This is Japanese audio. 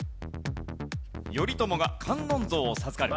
頼朝が観音像を授かる。